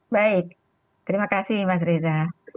baik terima kasih mas reza